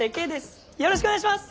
よろしくお願いします！